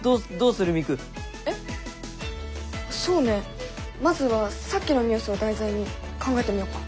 そうねまずはさっきのニュースを題材に考えてみよっか。